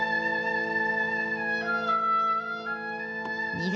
２月。